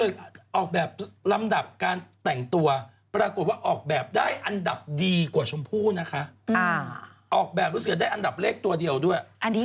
ของออกแบบที่ทุกที่รู้สึกติดอันดับด้วย